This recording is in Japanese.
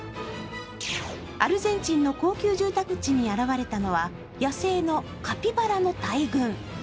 アルゼンチンの高級住宅地に現れたのは野生のカピバラの大群。